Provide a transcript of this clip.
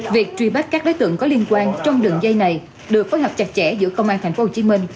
việc truy bắt các đối tượng có liên quan trong đường dây này được phối hợp chặt chẽ giữa công an tp hcm